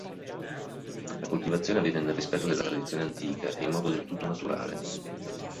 La coltivazione avviene nel rispetto della tradizione antica e in modo del tutto naturale.